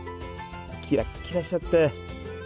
キラキラしちゃって。